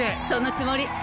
そのつもり。